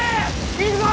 行くぞ！